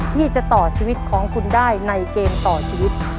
ที่จะต่อชีวิตของคุณได้ในเกมต่อชีวิต